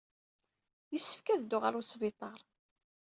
Yessefk ad dduɣ ɣer wesbiṭar.